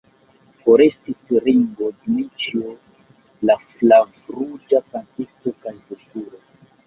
Forestis Ringo, Dmiĉjo, la flavruĝa kantisto kaj Vulturo!